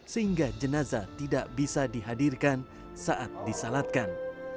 sehingga jenazah tidak bisa dihadirkan saat disalatkan